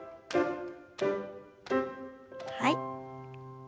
はい。